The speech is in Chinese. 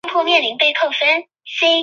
杂斑扁尾鲀为鲀科扁尾鲀属的鱼类。